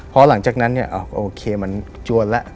พอหลังจากนั้นเนี่ยโอเคมันจวนแล้ว